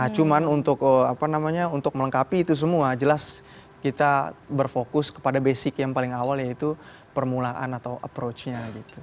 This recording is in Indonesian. cuma untuk melengkapi itu semua jelas kita berfokus kepada basic yang paling awal yaitu permulaan atau approach nya gitu